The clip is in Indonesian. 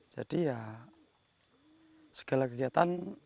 jadi ya segala kegiatan